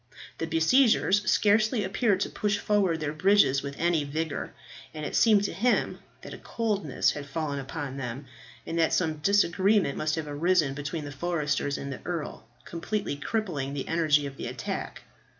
The besiegers scarcely appeared to push forward their bridges with any vigour, and it seemed to him that a coldness had fallen upon them, and that some disagreement must have arisen between the foresters and the earl, completely crippling the energy of the attack.